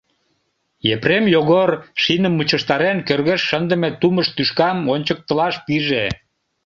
Епрем Йогор, шиным мучыштарен, кӧргеш шындыме тумыш тӱшкам ончыктылаш пиже: